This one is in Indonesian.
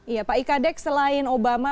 iya pak ika dek selain obama